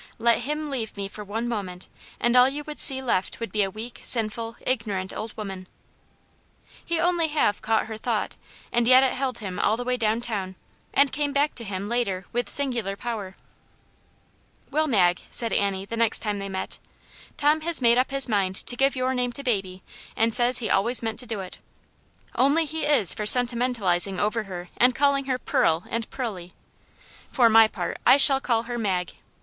Let him leave me for one moment, and all you would see left would be a weak, sinful, ignorant old woman." He only half caught her thought, and yet it held him all the way down town, and came back to him Inter with singular power. Aunt Jane's Hero. 227 " Well, Mag/* said Annie, the next time they met, " Tom has made up his mind to give your name to baby, and says he always meant to do it Only he is for sentimentalizing over her, and calling her ' Pearl* and 'Pearlie.* For my part I shall call her Mag.